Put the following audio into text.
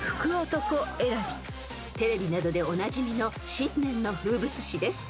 ［テレビなどでおなじみの新年の風物詩です］